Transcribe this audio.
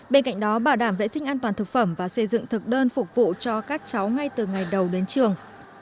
bên cạnh đó bảo đảm vệ sinh an toàn thực phẩm và xây dựng thực đơn phục vụ cho các cháu ngay từ ngày đầu đến trường